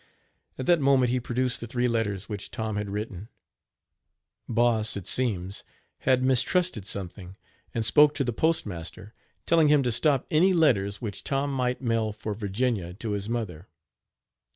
" At that moment he produced the three letters which Tom had written. Boss, it seems, had mistrusted something, and spoke to the postmaster, telling him to stop any letters which Tom might mail for Virginia to his mother.